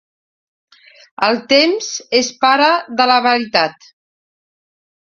El temps és pare de la veritat.